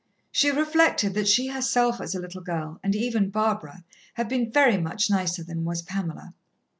She reflected that she herself as a little girl, and even Barbara, had been very much nicer than was Pamela.